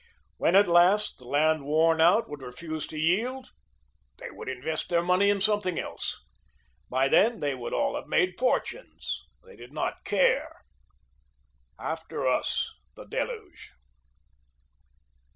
When, at last, the land worn out, would refuse to yield, they would invest their money in something else; by then, they would all have made fortunes. They did not care. "After us the deluge."